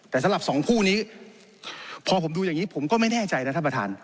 แต่สำหรับสองคู่นี้พอผมดูอย่างนี้ผมก็ไม่แน่ใจนะท่านประธาน